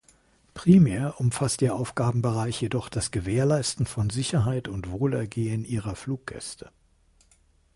Primär umfasst ihr Aufgabenbereich jedoch das Gewährleisten von Sicherheit und Wohlergehen ihrer Fluggäste.